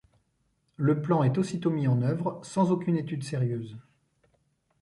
Le plan est aussitôt mis en œuvre, sans aucune étude sérieuse.